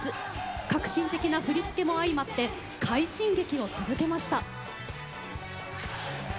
革新的な振り付けも相まって快進撃を続けました。